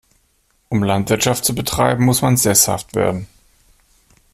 Um Landwirtschaft zu betreiben, muss man sesshaft werden.